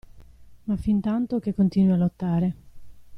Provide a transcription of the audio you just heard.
Ma fin tanto che continui a lottare.